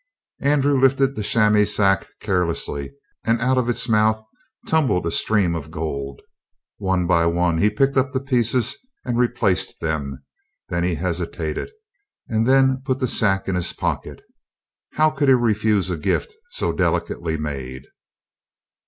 Andrew lifted the chamois sack carelessly, and out of its mouth tumbled a stream of gold. One by one he picked up the pieces and replaced them; he hesitated, and then put the sack in his pocket. How could he refuse a gift so delicately made?